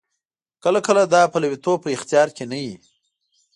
کله کله دا پلویتوب په اختیار کې نه وي.